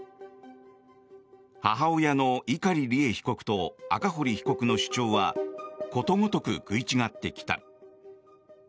母親の碇利恵被告と赤堀被告の主張はことごとく食い違ってきた。